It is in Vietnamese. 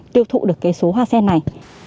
tiêu thụ được cái số hoa sen này